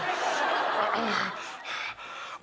ああ